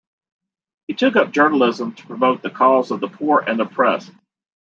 He took up journalism to promote the cause of the poor and oppressed.